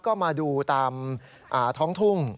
ก็มาดูตามท้องทุ่ง